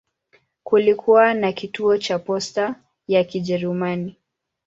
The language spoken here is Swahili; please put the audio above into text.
Kulikuwa na kituo cha posta ya Kijerumani.